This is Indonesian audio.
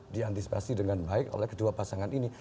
diantisipasi dengan baik oleh kedua pasangan ini